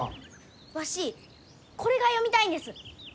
わしこれが読みたいんです。